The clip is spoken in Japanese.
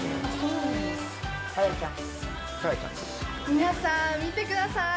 皆さん、見てください。